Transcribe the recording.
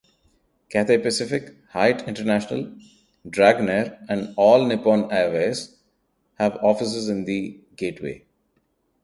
Cathay Pacific, Hyatt International, Dragonair and All Nippon Airways have offices in The Gateway.